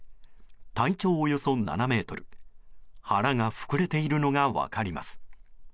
体長およそ７ｍ腹が膨れているのが分かります。